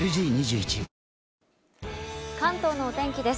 関東のお天気です。